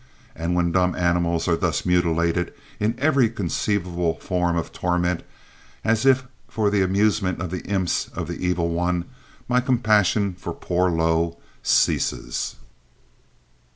And when dumb animals are thus mutilated in every conceivable form of torment, as if for the amusement of the imps of the evil one, my compassion for poor Lo ceases.